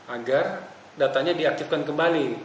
agar datanya diaktifkan kembali